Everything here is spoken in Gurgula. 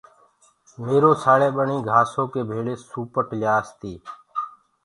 ميرو سآݪي ٻيڻ گھآسو ڪي ڀݪي سوپٽ ليآس تي۔